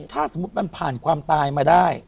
ถ้าสมมุติมันผ่านความตายมาได้